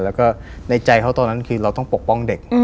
แล้วก็ในใจเขาตอนนั้นคือเราต้องปกป้องเด็ก